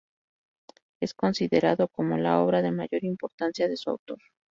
Es considerado como la obra de mayor importancia de su autor.